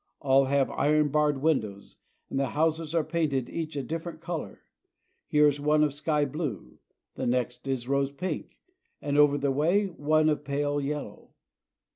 All have iron barred windows, and the houses are painted each a differ ent color. Here is one of sky blue, the next is rose pink, and over the way is one of pale yellow.